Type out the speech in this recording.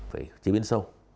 phải chế biến sâu